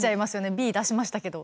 Ｂ出しましたけど。